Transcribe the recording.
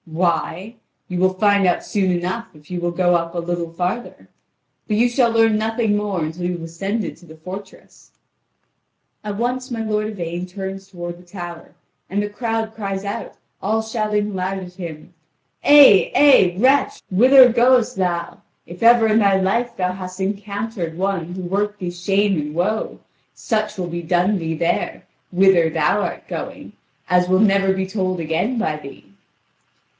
"Why? you will find out soon enough, if you will go a little farther. But you shall learn nothing more until you have ascended to the fortress." At once my lord Yvain turns toward the tower, and the crowd cries out, all shouting aloud at him: "Eh, eh, wretch, whither goest thou? If ever in thy life thou hast encountered one who worked thee shame and woe, such will be done thee there, whither thou art going, as will never be told again by thee."